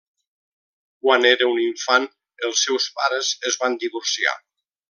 Quan era un infant, els seus pares es van divorciar.